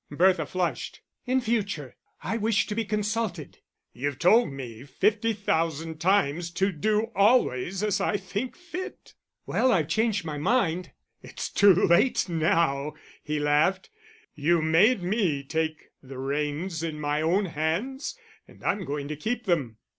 Bertha flushed. "In future, I wish to be consulted." "You've told me fifty thousand times to do always as I think fit." "Well, I've changed my mind." "It's too late now," he laughed. "You made me take the reins in my own hands and I'm going to keep them."